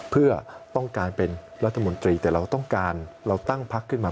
เพื่อต้องการเป็นรัฐมนตรีแต่เราต้องการเราตั้งพักขึ้นมา